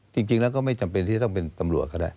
จริงแล้วก็ไม่จำเป็นที่จะต้องเป็นตำรวจก็ได้